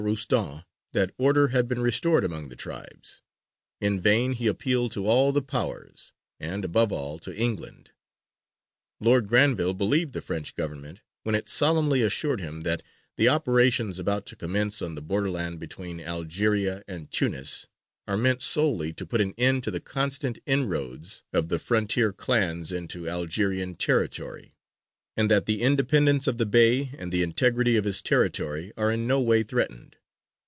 Roustan that order had been restored among the tribes; in vain he appealed to all the Powers, and, above all, to England. Lord Granville believed the French Government when it solemnly assured him that "the operations about to commence on the borderland between Algeria and Tunis are meant solely to put an end to the constant inroads of the frontier clans into Algerian territory, and that the independence of the Bey and the integrity of his territory are in no way threatened."